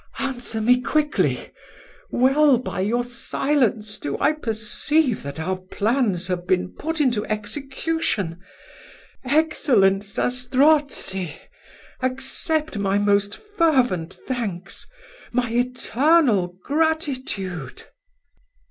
Answer me quickly. Well by your silence do I perceive that our plans have been put into execution. Excellent Zastrozzi! accept my most fervent thanks, my eternal gratitude."